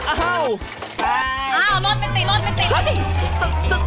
อ้าวโน๊ตไม่ติโน๊ตไม่ติ